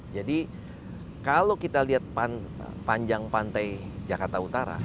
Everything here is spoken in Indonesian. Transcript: jadi kalau kita lihat panjang pantai jakarta utara